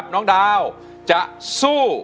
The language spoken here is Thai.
น้องดาวจะสู้